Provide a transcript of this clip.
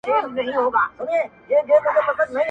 دغه خلګ دي باداره په هر دوو سترګو ړانده سي-